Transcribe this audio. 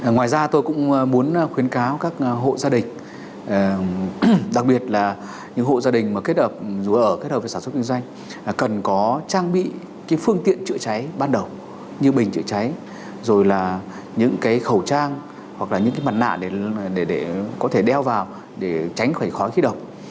ngoài ra tôi cũng muốn khuyến cáo các hộ gia đình đặc biệt là những hộ gia đình mà kết hợp với sản xuất kinh doanh là cần có trang bị phương tiện chữa cháy ban đầu như bình chữa cháy rồi là những cái khẩu trang hoặc là những cái mặt nạ để có thể đeo vào để tránh khỏi khói khí độc